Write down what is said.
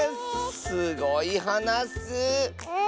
すごいはなッス！